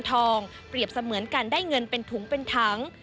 กระทงทองเปรียบเสมือนกันได้เงินเป็นถุงเป็นทั้ง